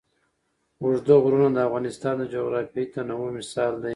اوږده غرونه د افغانستان د جغرافیوي تنوع مثال دی.